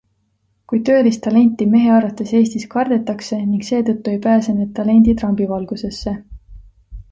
Kuid tõelist talenti mehe arvates Eestis kardetakse ning seetõttu ei pääse need talendid rambivalgusesse.